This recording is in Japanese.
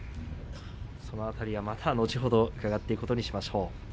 その辺りをまた後ほど伺っていくことにしましょう。